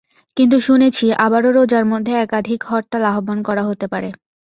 কিন্তু শুনেছি, আবারও রোজার মধ্যে একাধিক হরতাল আহ্বান করা হতে পারে।